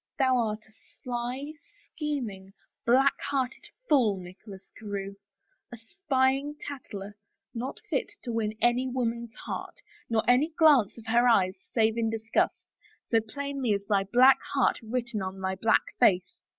" Thou art a sly, scheming, black hearted fool, Nicholas Carewe, a spying tattler, not fit to win any woman's heart, nor any glance of her eyes save in disgust, so plainly is thy black heart written on thy black face.